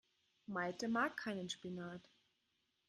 Malte mag keinen Spinat.